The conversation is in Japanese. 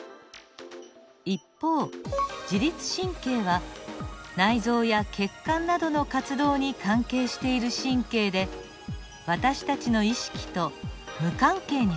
一方自律神経は内臓や血管などの活動に関係している神経で私たちの意識と無関係にはたらきます。